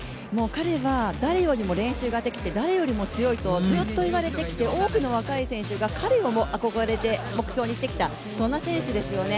彼は誰よりも練習ができて、誰よりも強いとずっと言われてきて多くの若い選手が彼に憧れて目標にしてきた、そんな選手ですよね。